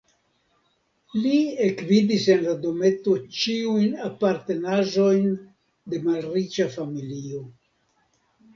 Li ekvidis en la dometo ĉiujn apartenaĵojn de malriĉa familio.